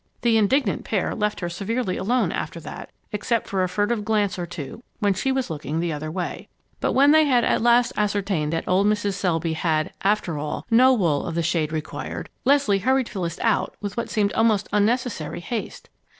The indignant pair left her severely alone after that, except for a furtive glance or two when she was looking the other way. But when they had at last ascertained that old Mrs. Selby had, after all, no wool of the shade required, Leslie hurried Phyllis out with what seemed almost unnecessary haste.